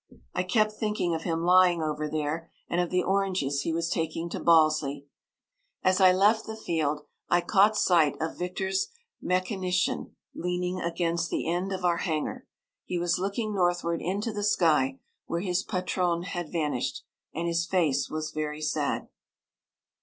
I kept thinking of him lying over there, and of the oranges he was taking to Balsley. As I left the field I caught sight of Victor's mechanician leaning against the end of our hangar. He was looking northward into the sky where his patron had vanished, and his face was very sad.